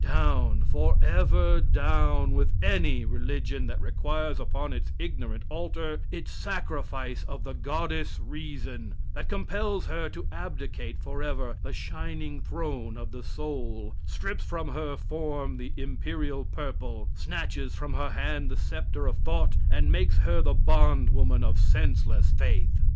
Down, forever down, with any religion that requires upon its ignorant altar its sacrifice of the goddess Reason; that compels her to abdicate forever the shining throne of the soul, strips from her form the imperial purple, snatches from her hand the sceptre of thought and makes her the bond woman of senseless faith.